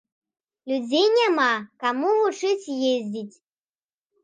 Людзей няма каму вучыць ездзіць.